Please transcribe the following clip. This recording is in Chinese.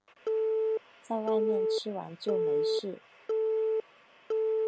在外面吃完就没事